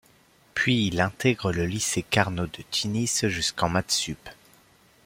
Puis il integre le lycée Carnot de Tunis jusqu'en Math Sup.